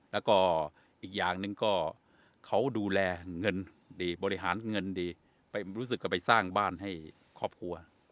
แล้วก็อีกอย่างหนึ่งก็เขาดูแลเงินดีบริหารเงินดีไปรู้สึกก็ไปสร้างบ้านให้ครอบครัว